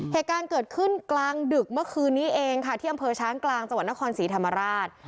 เหตุการณ์เกิดขึ้นกลางดึกเมื่อคืนนี้เองค่ะที่อำเภอช้างกลางจังหวัดนครศรีธรรมราช